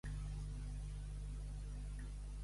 Quan plou de tramuntana, els gossos venen a la muntanya.